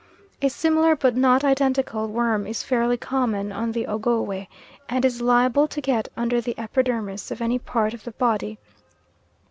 A similar, but not identical, worm is fairly common on the Ogowe, and is liable to get under the epidermis of any part of the body.